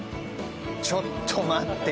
ちょっと待って！